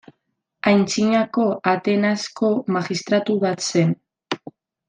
Antzinako Atenasko magistratu bat zen.